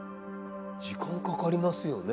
時間かかりますよね。